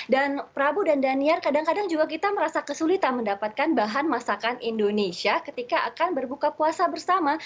dan prabu dan daniel kadang kadang juga kita merasa kesulitan mendapatkan bahan masakan indonesia ketika akan berbuka puasa bersama